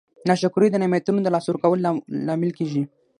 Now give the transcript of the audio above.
ناشکري د نعمتونو د لاسه ورکولو لامل کیږي.